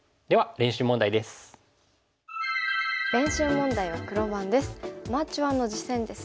練習問題は黒番です。